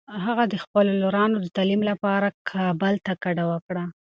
هغه د خپلو لورانو د تعلیم لپاره کابل ته کډه وکړه.